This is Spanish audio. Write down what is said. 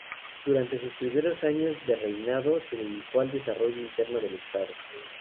Durante sus primeros años de reinado se dedicó al desarrollo interno del estado.